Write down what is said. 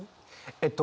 えっと